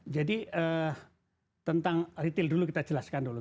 jadi tentang retail dulu kita jelaskan dulu